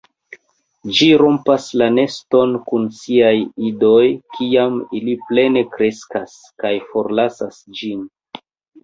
Ĝi rompas la neston kun siaj idoj, kiam ili plene kreskas, kaj forlasas ĝin.